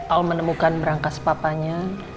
al menemukan merangkas papanya